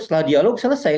setelah dialog selesai